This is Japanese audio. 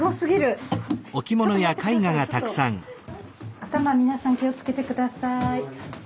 頭皆さん気をつけて下さい。